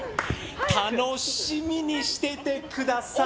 楽しみにしててください。